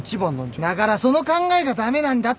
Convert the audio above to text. だからその考えが駄目なんだって！